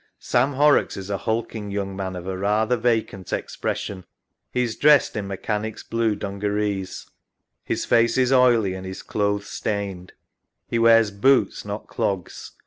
Sam Horrocks is a hulking young man of a rather vacant ex pression. He is dressed in mechanic's blue dungarees. His face is oily and his clothes stained. He wears boots, not clogs.